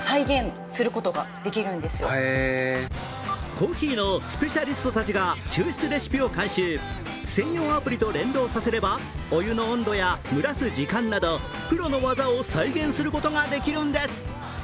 コーヒーのスペシャリストたちが抽出レシピを監修、専用アプリと連動させればお湯の温度や蒸らす時間などプロの技を再現させることができるんです。